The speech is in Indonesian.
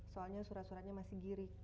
soalnya surat suratnya masih giring